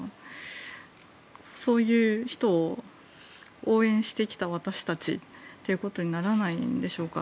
そういう人を応援してきた私たちということにならないんでしょうか。